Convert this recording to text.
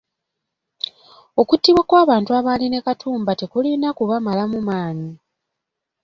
Okuttibwa kw’abantu abaali ne Katumba tekulina kubamalamu maanyi.